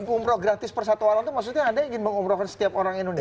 umroh gratis per satu orang itu maksudnya anda ingin mengomrohkan setiap orang indonesia